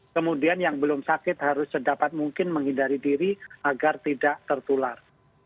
kemudian yang belum sakit harus sedapat mungkin menghindari diri agar tidak tertular